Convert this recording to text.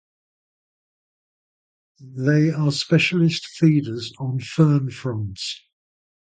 They are specialist feeders on fern fronds.